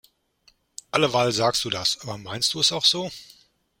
Alleweil sagst du das. Aber meinst du es auch so?